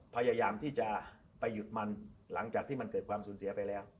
พยายามที่จะไปหยุดมันหลังจากที่มันเกิดความสูญเสียไปแล้ว